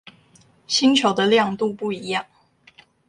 星球的亮度不一樣